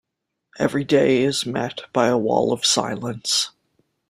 Every day it is met by a wall of silence.